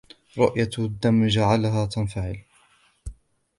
رؤية الدم جعلها تنفعل.